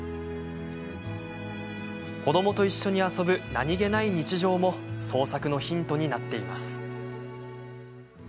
子どもと一緒に遊ぶ何気ない日常も創作のヒントになっています。